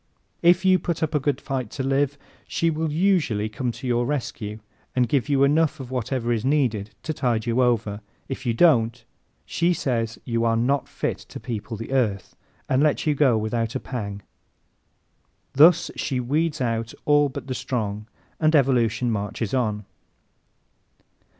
If you put up a good fight to live she will usually come to your rescue and give you enough of whatever is needed to tide you over. If you don't, she says you are not fit to people the earth and lets you go without a pang. Thus she weeds out all but the strong and evolution marches on.